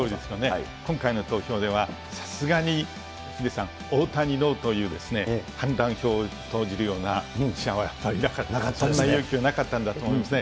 今回の投票では、さすがにヒデさん、大谷ノーというか判断票を投じるような記者はやっぱりいなかった、そんな勇気はなかったんだと思いますね。